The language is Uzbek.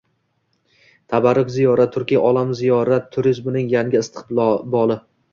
“Tabarruk ziyorat” – turkiy olam ziyorat turizmining yangi istiqboli